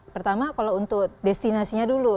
pertama kalau untuk destinasinya dulu